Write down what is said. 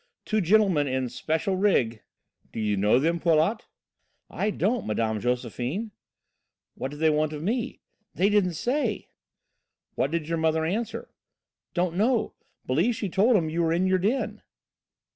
Two gentlemen in special 'rig.'" "Do you know them, Paulot?" "I don't, Mme. Josephine." "What did they want of me?" "They didn't say." "What did your mother answer?" "Don't know. Believe she told 'em you were in your den."